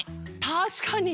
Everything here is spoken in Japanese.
たしかに！